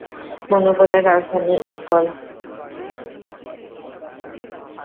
মণিপুরের রাজধানী ইম্ফল।